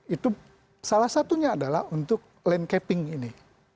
itu salah satunya adalah untuk landcaping ini